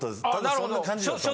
そんな感じだったんです。